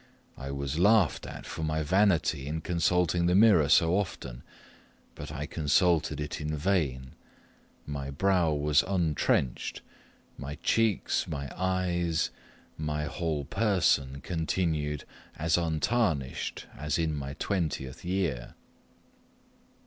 I was laughed at for my vanity in consulting the mirror so often, but I consulted it in vain my brow was untrenched my cheeks my eyes my whole person continued as untarnished as in my twentieth year.